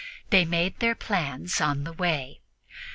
They made their plans on the way.